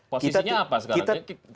posisinya apa sekarang